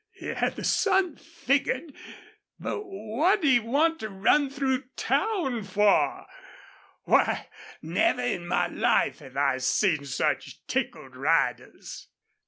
He had the sun figgered, but what'd he want to run through town for? Why, never in my life have I seen such tickled riders."